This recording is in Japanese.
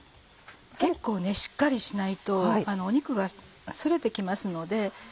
結構しっかりしないと肉が反れて来ますので。